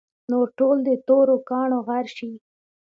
نور ټول د تورو کاڼو غر شي.